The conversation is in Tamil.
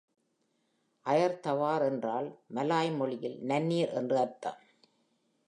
“அயெர் தவார்” என்றால் மலாய் மொழியில் “நன்னீர்” என்று அர்த்தம்.